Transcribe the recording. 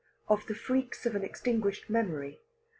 OF THE FREAKS OF AN EXTINGUISHED MEMORY.